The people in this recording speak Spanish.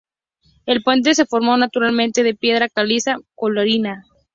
El puente se formó naturalmente de piedra caliza coralina.